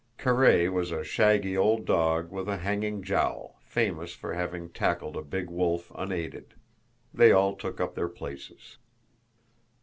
Karáy was a shaggy old dog with a hanging jowl, famous for having tackled a big wolf unaided. They all took up their places.